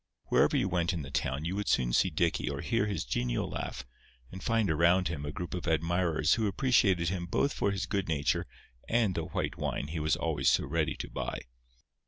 Wherever you went in the town you would soon see Dicky or hear his genial laugh, and find around him a group of admirers who appreciated him both for his good nature and the white wine he was always so ready to buy.